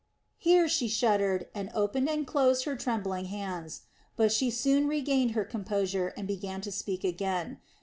Here she shuddered and opened and closed her trembling hands; but she soon regained her composure and began to speak again.